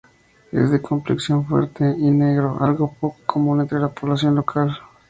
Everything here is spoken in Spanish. Es de complexión fuerte y negro, algo poco común entre la población local.